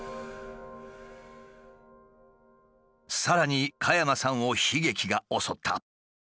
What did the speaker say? さらに加山さんを悲劇が襲った。